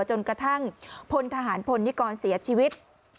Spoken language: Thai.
จนกระทั่งพลทหารพลนิกรเสียชีวิต